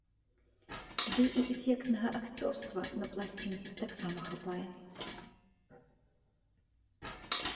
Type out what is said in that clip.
Ды і эфектнага акцёрства на пласцінцы таксама хапае.